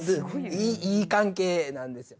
いい関係なんです。